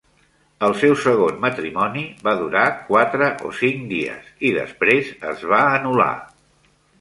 El seu segon matrimoni va durar quatre o cinc dies i després es va anular.